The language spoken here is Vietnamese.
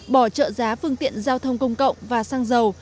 bỏ trợ giá phương tiện giao thông công cộng và xăng dầu